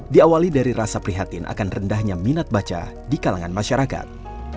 diawali dari rasa prihatin akan rendahnya minat baca di kalangan masyarakat